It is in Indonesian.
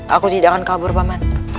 aku tidak akan kabur paman